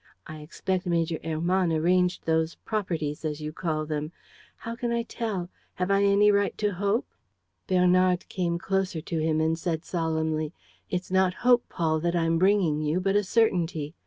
I expect Major Hermann arranged those properties, as you call them. How can I tell? Have I any right to hope?" Bernard came closer to him and said, solemnly: "It's not hope, Paul, that I'm bringing you, but a certainty.